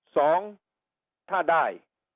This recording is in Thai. สองถ้าได้